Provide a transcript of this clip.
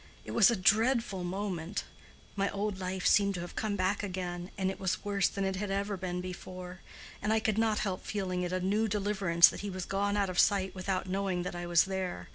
It was a dreadful moment. My old life seemed to have come back again, and it was worse than it had ever been before. And I could not help feeling it a new deliverance that he was gone out of sight without knowing that I was there.